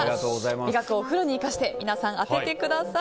味覚をフルに生かして皆さん、当ててください。